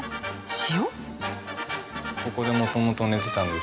塩？